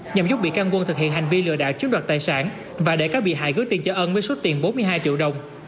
nhằm giúp bị can quân thực hiện hành vi lừa đảo chiếm đoạt tài sản và để các bị hại gửi tiền cho ân với số tiền bốn mươi hai triệu đồng